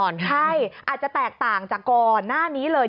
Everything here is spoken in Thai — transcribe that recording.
ใช่อาจจะแตกต่างจากก่อนหน้านี้เลย